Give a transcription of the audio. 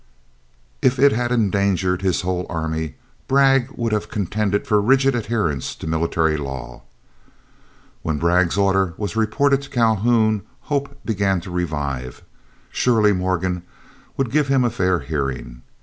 If it had endangered his whole army, Bragg would have contended for rigid adherence to military law. When Bragg's order was reported to Calhoun, hope began to revive. Surely Morgan would give him a fair hearing.